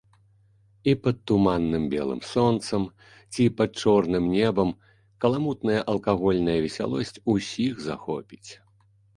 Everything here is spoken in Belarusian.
І пад туманным белым сонцам ці пад чорным небам каламутная алкагольная весялосць усіх захопіць.